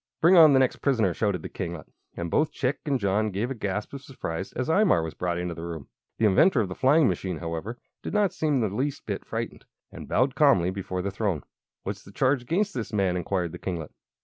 "Bring on the next prisoner!" shouted the kinglet, and both Chick and John gave a gasp of surprise as Imar was brought into the room. The inventor of the flying machine, however, did not seem the least bit frightened, and bowed calmly before the throne. "What's the charge against this man?" inquired the kinglet.